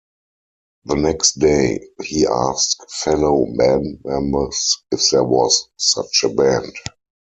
The next day, he asked fellow band members if there was such a band.